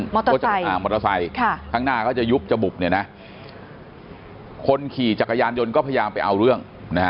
มอเตอร์ไซค์ข้างหน้าก็จะยุบจบบคนขี่จักรยานยนต์ก็พยายามไปเอาเรื่อง